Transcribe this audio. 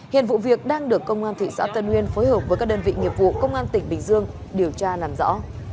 hiện vụ việc đang được công an thị xã tân uyên phối hợp với các đơn vị nghiệp vụ công an tỉnh bình dương điều tra làm rõ